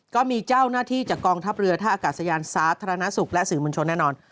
ก็มีเจ้าหน้าที่จากกองทัพเรือท่าอากาศยานสาธารณสุขและสื่อมวลชนแน่นอน